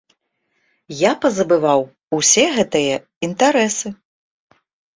Я пазабываў усе гэтыя інтарэсы.